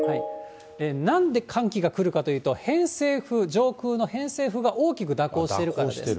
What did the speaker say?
なんで寒気が来るかというと、偏西風、上空の偏西風が大きく蛇行しているからです。